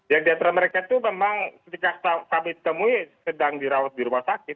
yang di antara mereka itu memang ketika kami temui sedang dirawat di rumah sakit